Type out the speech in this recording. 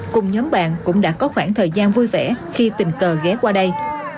cùng nhóm bạn cũng đã có khoảng thời gian vui vẻ khi tình cờ ghé qua đây